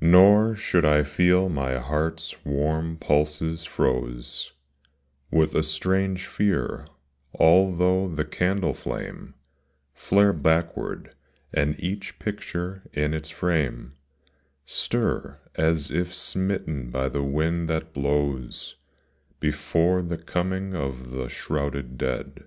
Nor should I feel my heart's Avarm pulses froze With a strange fear, although the candle flame Flare backward, and each picture in its frame Stir, as if smitten by the wind that blows Before the coming of the shrouded dead.